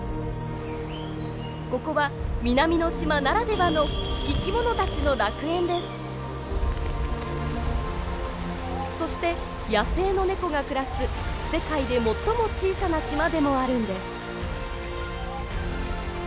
ここは南の島ならではのそして野生のネコが暮らす世界で最も小さな島でもあるんです。